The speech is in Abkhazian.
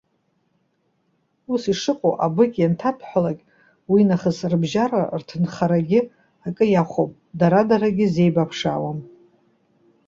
Ус ишыҟоу, абыкь ианҭаҭәҳәалак, уинахыс рыбжьара рҭынхарагьы акы иахәом, дара-дарагьы зеибаԥшаауам!